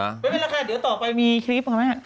ไม่เป็นไรค่ะเดี๋ยวต่อไปมีคลิปค่ะแม่